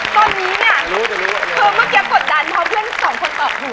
ตอนนี้เนี่ยคือเมื่อกี้กดดันเพราะเพื่อนสองคนตอบถูก